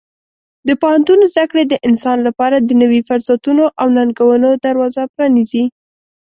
د پوهنتون زده کړې د انسان لپاره د نوي فرصتونو او ننګونو دروازه پرانیزي.